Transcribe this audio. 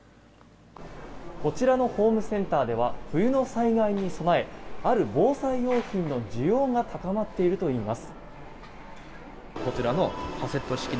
こちらのホームセンターでは冬の災害に備えある防災用品の需要が高まっているといいます。